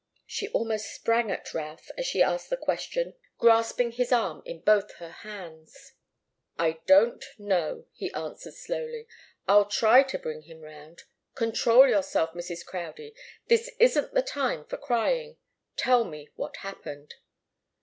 She almost sprang at Routh as she asked the question, grasping his arm in both her hands. "I don't know," he answered, slowly. "I'll try to bring him round. Control yourself, Mrs. Crowdie. This isn't the time for crying. Tell me what happened."